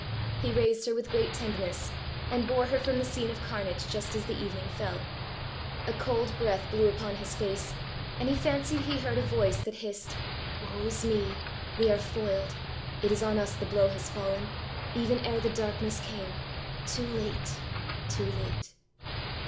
He raised her with great tenderness and bore her from the scene of carnage just as the evening fell. A cold breath blew upon his face and he fancied he heard a voice that hissed "Woe's me, we are foiled; it is on us the blow has fallen, even ere the darkness came. Too late, too late."